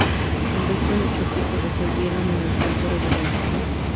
El resto de choques se resolvieron en el tiempo reglamentario.